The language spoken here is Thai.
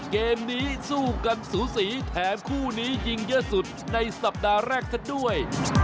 เกมนี้สู้กันสูสีแถมคู่นี้ยิงเยอะสุดในสัปดาห์แรกซะด้วย